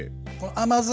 甘酢？